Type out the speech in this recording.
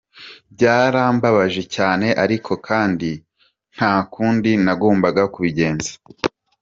Byarambabaje cyane ariko kandi ntakundi nagombaga kubigenza.